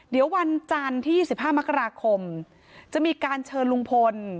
เดี๋ยววันจันทร์ที่๒๕มกราคมจะมีการเชิญลุงพล